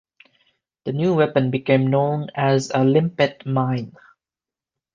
The new weapon became known as a limpet mine.